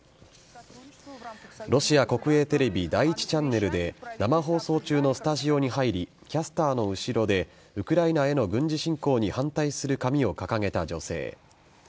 ロシア国営テレビ、第１チャンネルで、生放送中のスタジオに入り、キャスターの後ろでウクライナへの軍事侵攻に反対する紙を掲げた女性。